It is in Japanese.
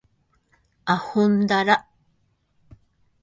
あほんだら